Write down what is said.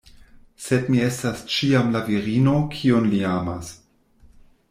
Sed mi estas ĉiam la virino, kiun li amas.